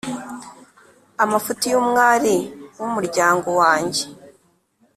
Amafuti y’umwari w’umuryango wanjye,